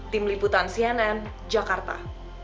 tim liputan cnn jakarta